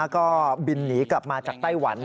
ก็บินหนีกลับมาจากไต้หวัน